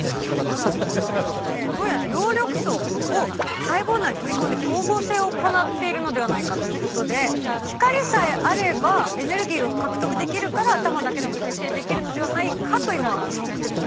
どうやら葉緑素を細胞内に取り込んで光合成を行っているのではないかということで光さえあればエネルギーを獲得できるから頭だけでも再生できるのではないかと今いわれてるそうです。